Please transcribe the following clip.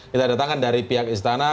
kita datangkan dari pihak istana